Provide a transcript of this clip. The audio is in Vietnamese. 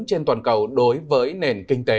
trên toàn cầu đối với nền kinh tế